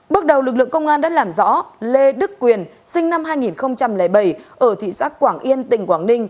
bước đầu lực lượng công an đã làm rõ lê đức quyền sinh năm hai nghìn bảy ở thị xã quảng yên tỉnh quảng ninh